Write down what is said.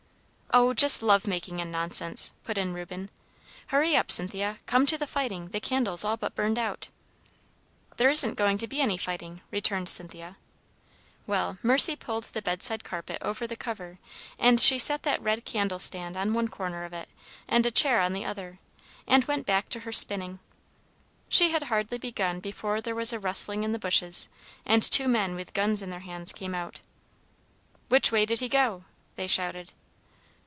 "Oh, just love making and nonsense!" put in Reuben. "Hurry up, Cynthia! Come to the fighting. The candle's all but burned out." "There isn't going to be any fighting," returned Cynthia. "Well, Mercy pulled the bedside carpet over the cover, and she set that red candle stand on one corner of it and a chair on the other corner, and went back to her spinning. She had hardly begun before there was a rustling in the bushes, and two men with guns in their hands came out. "'Which way did he go?' they shouted.